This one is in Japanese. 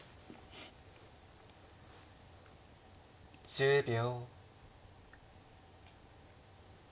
１０秒。